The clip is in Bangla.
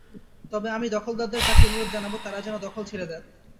তবে আমি দখলদারদের কাছে অনুরোধ জানাব তাঁরা যেন দখল ছেড়ে দেন।